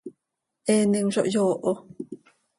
Eenim zo hyooho.